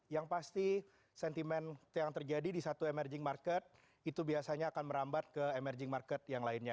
jadi sentimen yang terjadi di satu emerging market itu biasanya akan merambat ke emerging market yang lainnya